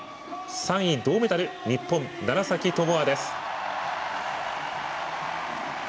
３位、銅メダル日本、楢崎智亜です。